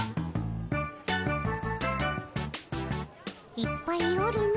いっぱいおるの。